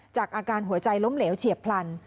อาการหัวใจล้มเหลวเฉียบพลัน